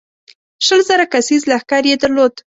شل زره کسیز لښکر یې درلود.